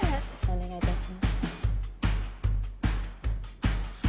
お願いいたします。